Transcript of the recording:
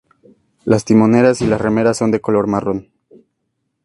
Las timoneras y las remeras son de color marrón.